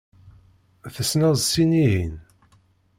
Tessneḍ sin-ihin?